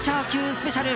スペシャル